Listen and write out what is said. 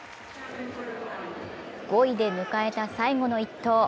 ５位で迎えた最後の１投。